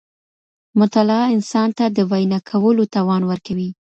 مطالعه انسان ته د وینا کولو توان ورکوي.